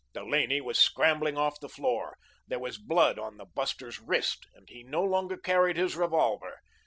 Delaney was scrambling off the floor. There was blood on the buster's wrist and he no longer carried his revolver.